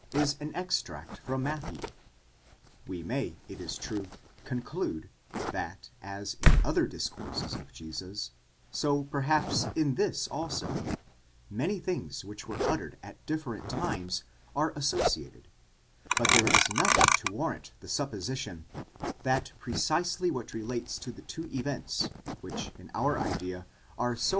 is an extract from Matthew: we may, it is true, conclude, that as in other discourses of Jesus, so perhaps in this also, many things which were uttered at different times are associated ; but there is nothing to warrant the supposi tion, that precisely what relates to the two events, which in our idea are 50.